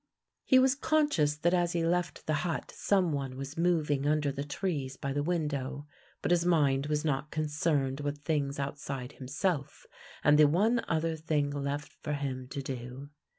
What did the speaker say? He was conscious that as he left the hut some one was moving under the trees by the window, but his mind was not concerned with things outside himself and the one other thing left for him to do.